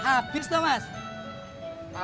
habis tuh bapak